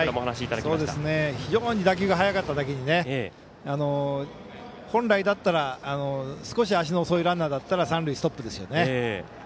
非常に打球が速かっただけに本来だったら少し足の遅いランナーだったら三塁ストップですよね。